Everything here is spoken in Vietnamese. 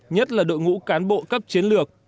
nhất là đội ngũ cán bộ cấp chiến lược